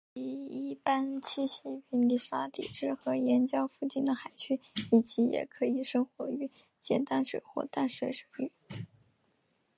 其一般栖息于泥沙底质和岩礁附近的海区以及也可生活于咸淡水或淡水水域。